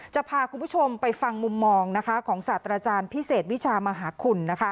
จะพาคุณผู้ชมไปฟังมุมมองของศาสตราจารย์พิเศษวิชามหาคุณ